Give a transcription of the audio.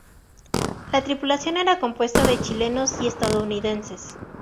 La tripulación era compuesta de chilenos y estadounidenses.